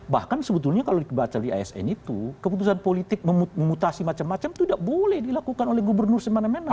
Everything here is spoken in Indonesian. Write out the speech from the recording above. bahkan sebetulnya kalau dibaca di asn itu keputusan politik memutasi macam macam itu tidak boleh dilakukan oleh gubernur semana mana